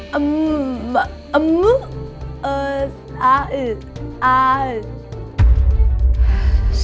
sepertinya mbak ini bisu dan tulis